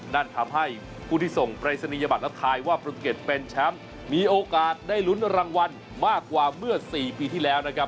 นั่นทำให้ผู้ที่ส่งปรายศนียบัตรแล้วทายว่าภูเก็ตเป็นแชมป์มีโอกาสได้ลุ้นรางวัลมากกว่าเมื่อ๔ปีที่แล้วนะครับ